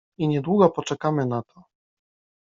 I niedługo poczekamy na to.